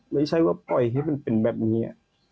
ไม่ใช่ว่าปล่อยให้มันเป็นแบบนี้